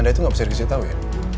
anda itu gak bisa dikasih tau ya